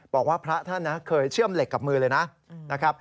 บอกว่าพระท่านเคยเชื่อมเหล็กกับมือเลยนะ